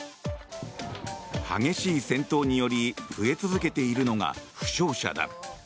激しい戦闘により増え続けているのが負傷者だ。